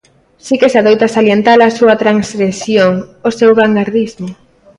Si que se adoita salientar a súa transgresión, o seu vangardismo.